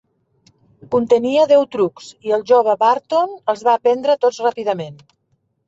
Contenia deu trucs, i el jove Burton els va aprendre tots ràpidament.